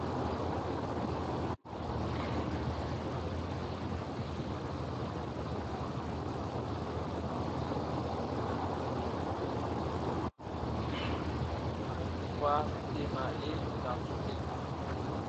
Nwa deemaa ye yù dam sosi.